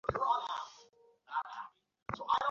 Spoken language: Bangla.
লদের চারদিকে একসময় ফুলের বাগান ছিল।